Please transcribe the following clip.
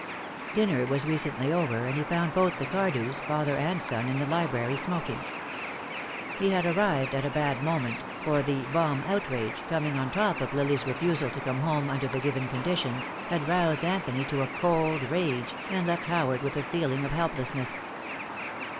Dinner was recently over, and he found both the Cardews, father and son, in the library smoking. He had arrived at a bad moment, for the bomb outrage, coming on top of Lily's refusal to come home under the given conditions, had roused Anthony to a cold rage, and left Howard with a feeling of helplessness.